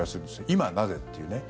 今、なぜというね。